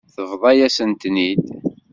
Tebḍa-yasent-ten-id.